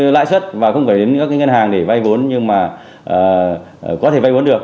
lãi xuất và không phải đến những ngân hàng để vay vốn nhưng mà có thể vay vốn được